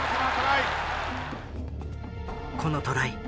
このトライ